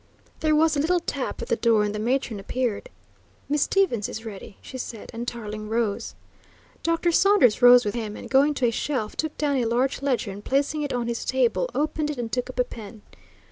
There was a little tap at the door and the matron appeared. "Miss Stevens is ready," she said, and Tarling rose. Dr. Saunders rose with him, and, going to a shelf took down a large ledger, and placing it on his table, opened it and took up a pen.